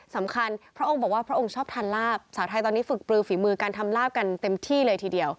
พระองค์บอกว่าพระองค์ชอบทานลาบสาวไทยตอนนี้ฝึกปลือฝีมือการทำลาบกันเต็มที่เลยทีเดียว